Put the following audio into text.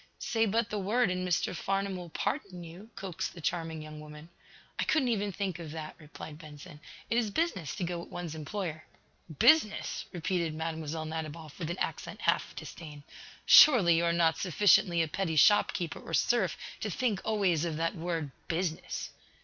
"Say but the word, and Mr. Farnum will pardon you," coaxed the charming young Woman. "I couldn't even think of that," replied Benson. "It is business to go with one's employer." "Business?" repeated Mlle. Nadiboff, with an accent half of disdain. "Surely, you are not sufficiently a petty shop keeper or serf to think always of that word, 'business!'"